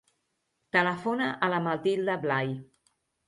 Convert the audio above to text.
Telefona a la Matilda Blay.